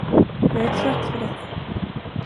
Jag är trött på detta.